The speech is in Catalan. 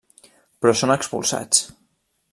Però són expulsats.